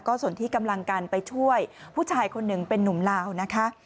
ส่วนที่กำลังกันไปช่วยผู้ชายคนหนึ่งเป็นนุ่มลาวนะคะ